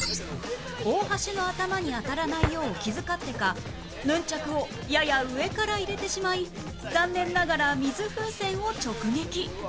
大橋の頭に当たらないよう気遣ってかヌンチャクをやや上から入れてしまい残念ながら水風船を直撃